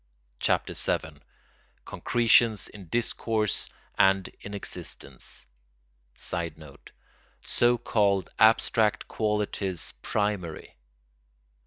CHAPTER VII—CONCRETIONS IN DISCOURSE AND IN EXISTENCE [Sidenote: So called abstract qualities primary.